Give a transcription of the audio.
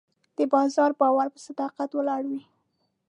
د بازار باور په صداقت ولاړ وي.